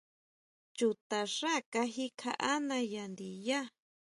Chuta xá kaji kjaʼána ya ndiyá.